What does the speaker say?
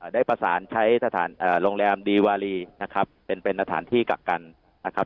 ได้ประสานใช้สถานโรงแรมดีวารีนะครับเป็นสถานที่กักกันนะครับ